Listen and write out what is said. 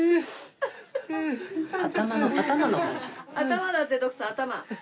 頭だって徳さん頭。